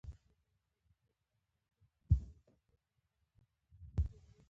له مونټریکس او برنویس ریل پټلۍ سره ګڼې ژمنۍ لوبې کېږي.